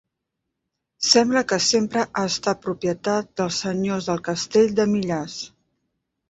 Sembla que sempre ha estat propietat dels senyors del castell de Millàs.